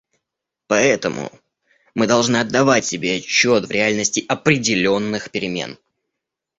Поэтому мы должны отдавать себе отчет в реальности определенных перемен.